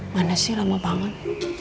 mana sih lama banget